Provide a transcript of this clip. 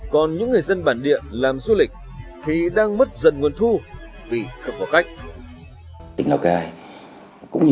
còn những người dân bản địa làm du lịch thì đang mất dần nguồn thu vì không có cách